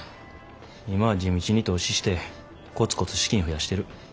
今は地道に投資してコツコツ資金増やしてる。